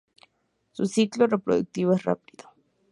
Su ciclo reproductivo es rápido.